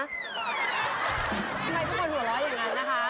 ทำไมทุกคนหัวเราะอย่างนั้นนะคะ